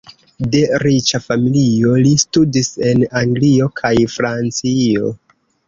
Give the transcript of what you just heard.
De riĉa familio, li studis en Anglio kaj Francio.